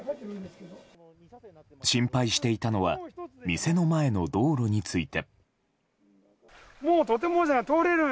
心配していたのは店の前の道路について。